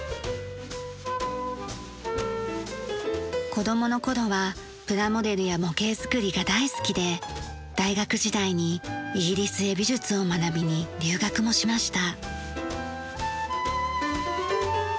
子供の頃はプラモデルや模型作りが大好きで大学時代にイギリスへ美術を学びに留学もしました。